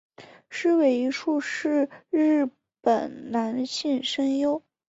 矢尾一树是日本男性声优。